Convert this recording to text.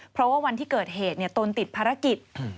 เพราะว่าวันที่เกิดเหตุตนติดภารกิจ